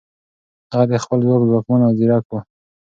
هغه د خپل ځواک ځواکمن او ځیرک و.